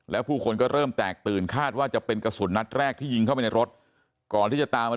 แล้วผู้คนก็เริ่มแตกตื่นคาดว่าจะเป็นกระสุนนัดแรกที่ยิงเข้าไปในรถ